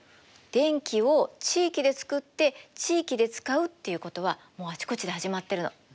電気を地域でつくって地域で使うっていうことはもうあちこちで始まってるの。